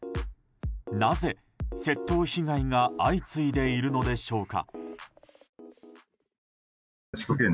なぜ、窃盗被害が相次いでいるのでしょうか。